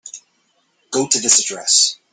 Go to this address.